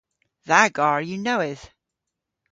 Dha garr yw nowydh.